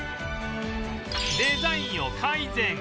デザインを改善